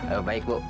ha baik bu